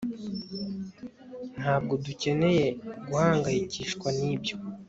Ntabwo dukeneye guhangayikishwa nibyo